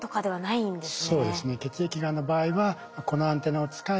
そうですね。